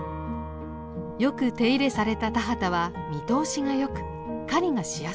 よく手入れされた田畑は見通しがよく狩りがしやすいのです。